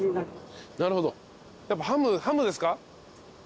なるほどやっぱハムですか？